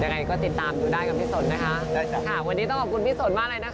ยังไงก็ติดตามอยู่ได้กับพี่สนนะคะได้ค่ะวันนี้ต้องขอบคุณพี่สนมากเลยนะคะ